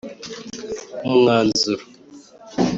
Umwanzuro